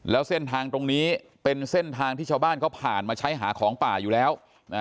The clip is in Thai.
แล้วเส้นทางตรงนี้เป็นเส้นทางที่ชาวบ้านเขาผ่านมาใช้หาของป่าอยู่แล้ว